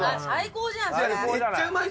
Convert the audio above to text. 最高じゃない。